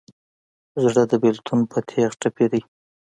زړه د بېلتون په تیغ ټپي دی.